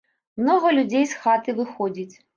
Многа людзей з хаты выходзіць.